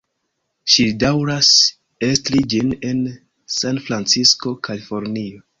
Ŝi daŭras estri ĝin en Sanfrancisko, Kalifornio.